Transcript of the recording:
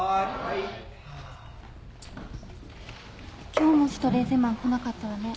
今日もシュトレーゼマン来なかったわね。